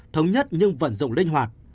thống nhất nhưng vận dụng linh hoạt